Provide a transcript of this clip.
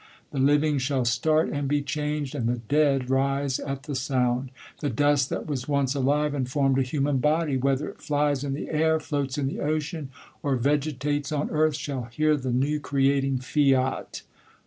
The living shall start and be changed, and the dead rise at the sound. The dust that was once Slivc and formed a human body, whether it Qies in the an , floats in the ocean, or vegetates on earth, shall hear the new creating fiat.